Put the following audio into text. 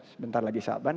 sebentar lagi saban